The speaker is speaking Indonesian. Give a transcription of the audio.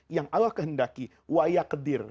yang allah kehendaki